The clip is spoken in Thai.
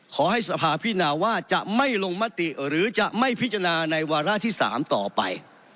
ขอให้สภาพินาว่าจะไม่ลงมติหรือจะไม่พิจารณาในวาระที่๓ต่อไป